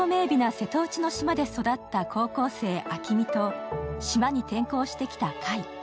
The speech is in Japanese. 瀬戸内の島で育った高校生・暁海と島に転校してきた櫂。